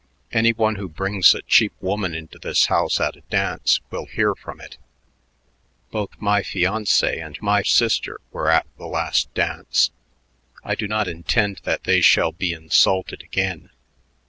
Any one who brings a cheap woman into this house at a dance will hear from it. Both my fiancée and my sister were at the last dance. I do not intend that they shall be insulted again.